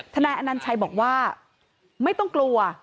นายอนัญชัยบอกว่าไม่ต้องกลัว